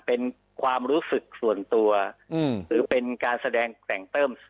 เป็นความรู้สึกส่วนตัวหรือเป็นการแสดงแกร่งเติม